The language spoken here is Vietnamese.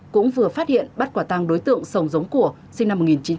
cũng vừa phát hiện bắt quả tăng đối tượng sông giống của sinh năm một nghìn chín trăm tám mươi